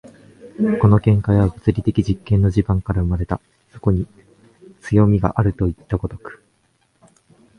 この見解は物理的実験の地盤から生まれた、そこに強味があるといった如く。